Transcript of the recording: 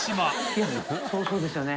いやそうですよね。